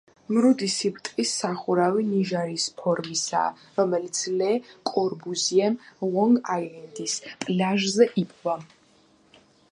მრუდი სიბრტყის სახურავი ნიჟარის ფორმისაა, რომელიც ლე კორბუზიემ ლონგ-აილენდის პლაჟზე იპოვა.